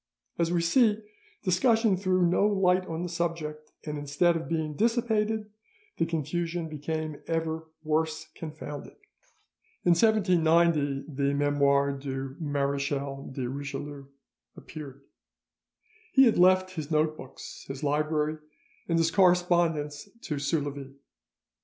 As we see, discussion threw no light on the subject, and instead of being dissipated, the confusion became ever "worse confounded." In 1790 the 'Memoires du Marechal de Richelieu' appeared. He had left his note books, his library, and his correspondence to Soulavie.